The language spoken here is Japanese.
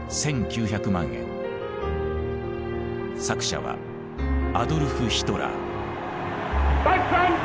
作者はアドルフ・ヒトラー。